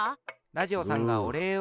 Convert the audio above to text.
ラジオさんがおれいを。